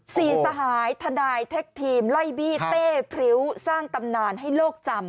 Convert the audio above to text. สหายทนายเทคทีมไล่บี้เต้พริ้วสร้างตำนานให้โลกจำ